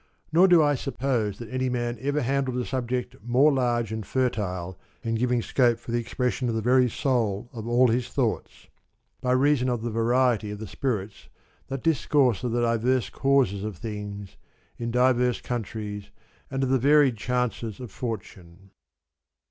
Nor do I suppose that any man ever handled a subject more large and fertile in giving scope for the expression of the very soul of all his thoughts, by reason of the variety of the spirits that discourse of the diverse causes of things, of diverse countries, and of the varied chances of fortune.